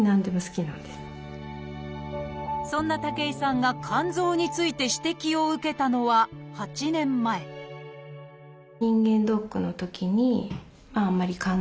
そんな武井さんが肝臓について指摘を受けたのは８年前武井さんは専門医を受診。